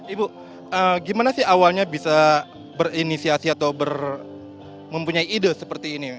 ibu gimana sih awalnya bisa berinisiasi atau mempunyai ide seperti ini